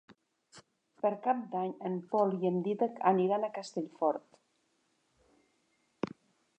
Per Cap d'Any en Pol i en Dídac aniran a Castellfort.